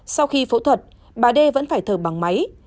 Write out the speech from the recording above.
sau khi phẫu thuật bà đê vẫn phải thở bằng máy